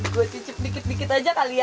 gue cicip dikit dikit aja kali ya